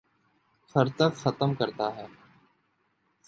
خر تک ختم کرتا ہے